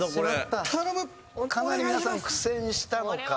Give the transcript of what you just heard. かなり皆さん苦戦したのか。